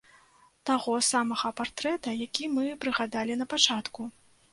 Таго самага партрэта, які мы прыгадалі напачатку.